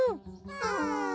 うん。